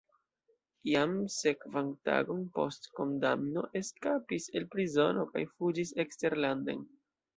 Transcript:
Jam sekvan tagon post kondamno eskapis el prizono kaj fuĝis eksterlanden.